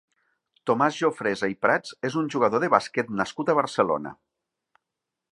Tomàs Jofresa i Prats és un jugador de bàsquet nascut a Barcelona.